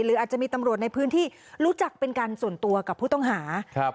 หรืออาจจะมีตำรวจในพื้นที่รู้จักเป็นการส่วนตัวกับผู้ต้องหาครับ